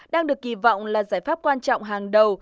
đang được kỳ vọng là giải pháp quan trọng hàng đầu